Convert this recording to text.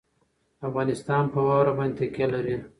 افغانستان په واوره باندې تکیه لري.